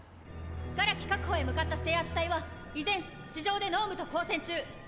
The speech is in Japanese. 殻木確保へ向かった制圧隊は依然地上で脳無と交戦中。